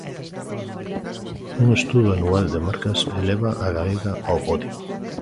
Un estudo anual de marcas eleva a galega ao podio.